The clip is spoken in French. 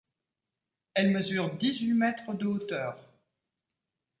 Elle mesure dix-huit mètres de hauteur.